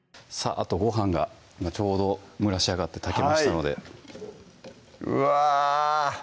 あとごはんが今ちょうど蒸らし上がって炊けましたのでうわ！